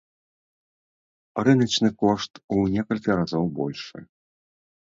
Рыначны кошт у некалькі разоў большы.